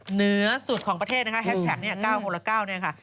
เหนือสุดของประเทศนะคะแฮชแท็กเนี่ย๙คนละ๙เนี่ยค่ะ